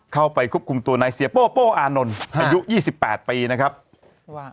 เข้าไปควบคุมตัวนายเสียโป้โป้อานนท์อายุยี่สิบแปดปีนะครับว่า